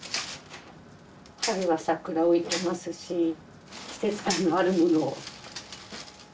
春は桜置いてますし季節感のあるものを。